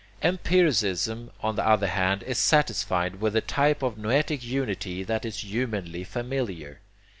Empiricism on the other hand is satisfied with the type of noetic unity that is humanly familiar.